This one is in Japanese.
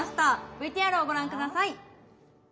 ＶＴＲをご覧下さい。